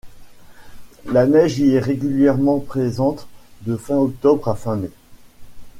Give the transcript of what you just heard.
La neige y est régulièrement présente de fin octobre à fin mai.